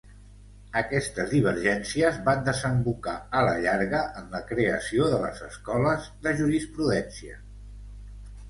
Aquestes divergències van desembocar a la llarga en la creació de les escoles de jurisprudència.